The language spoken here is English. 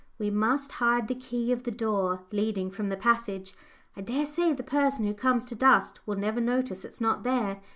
"We must hide the key of the door leading from the passage. I dare say the person who comes to dust will never notice it's not there.